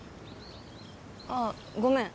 あっごめん